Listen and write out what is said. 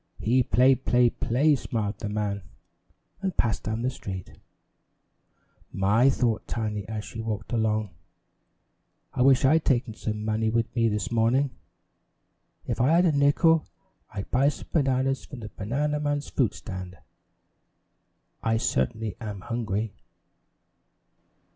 "He play, play, play," smiled the man, and passed down the street. "My," thought Tiny, as she walked along, "I wish I had taken some money with me this morning. If I had a nickel, I'd buy some bananas from that banana man's fruit stand. I certainly am hungry."